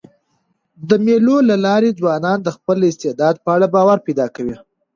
د مېلو له لاري ځوانان د خپل استعداد په اړه باور پیدا کوي.